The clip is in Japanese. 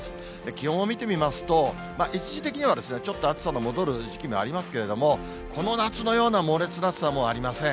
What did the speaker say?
気温を見てみますと、一時的にはちょっと暑さの戻る時期もありますけれども、この夏のような猛烈な暑さはもうありません。